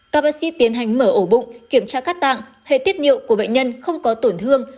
các bác sĩ tiến hành mở ổ bụng kiểm tra các tạng hệ tiết niệu của bệnh nhân không có tổn thương